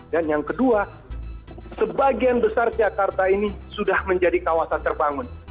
dan yang kedua sebagian besar jakarta ini sudah menjadi kawasan terbangun